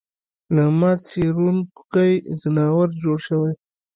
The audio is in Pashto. له ما څېرونکی ځناور جوړ شوی